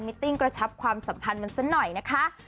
ติ้งกระชับความสัมพันธ์มันซะหน่อยนะคะ